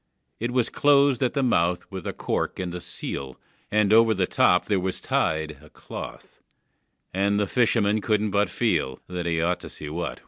It was closed at the mouth with a cork and a seal, And over the top there was tied A cloth, and the fisherman couldn't but feel That he ought to see what was inside.